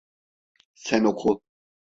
Sen oku.